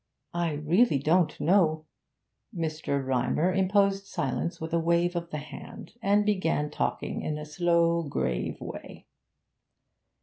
'I really don't know ' Mr. Rymer imposed silence with a wave of the hand, and began talking in a slow, grave way.